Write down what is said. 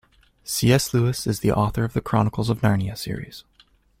C.S. Lewis is the author of The Chronicles of Narnia series.